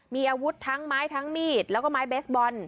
มีอาวุธทั้งไม้ทั้งมีดแล้วก็ไม้เบสบอล